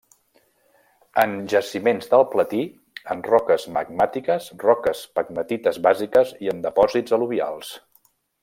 En jaciments del platí, en roques magmàtiques, roques pegmatites bàsiques i en depòsits al·luvials.